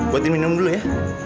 buatin minum dulu ya